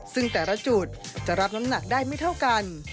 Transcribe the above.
ซึ่งแต่ละจุดจะรับน้ำหนักได้ไม่เท่ากัน